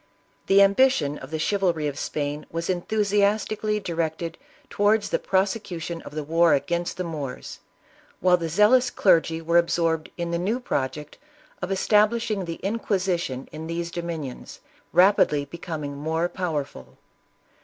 The ambition of the chivalry of Spain was enthusi astically directed towards the prosecution of the war against the Moors, while the zealous clergy were ab sorbed in the new project of establishing the Inquisi tion in these dominions, rapidly becoming powerful.